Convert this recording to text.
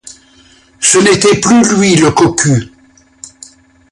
Ce n'était plus lui, le cocu.